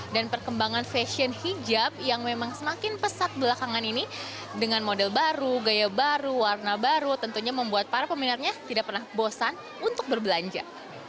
dan perkembangan fashion hijab yang memang semakin pesat belakangan ini dengan model baru gaya baru warna baru tentunya membuat para peminatnya tidak pernah bosan untuk berbelanja